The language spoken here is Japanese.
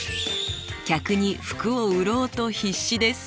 客に服を売ろうと必死です。